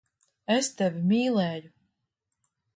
Es tevi mīlēju.